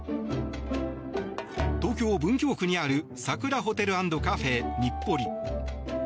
東京・文京区にあるサクラホテル＆カフェ日暮里。